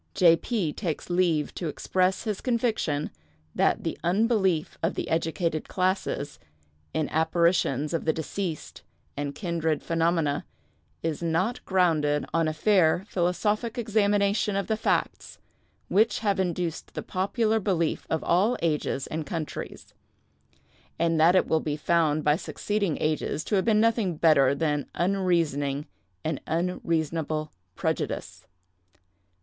"J. P. takes leave to express his conviction that the unbelief of the educated classes in apparitions of the deceased and kindred phenomena is not grounded on a fair philosophic examination of the facts, which have induced the popular belief of all ages and countries; and that it will be found by succeeding ages to have been nothing better than unreasoning and unreasonable prejudice.